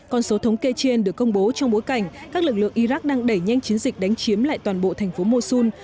con số thống kê trên được công bố trong bối cảnh các lực lượng iraq đang đẩy nhanh chiến dịch đánh chiếm lại toàn bộ thành phố mosun